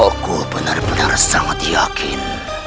aku benar benar sangat yakin